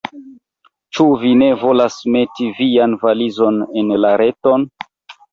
Ĉu vi ne volas meti vian valizon en la reton?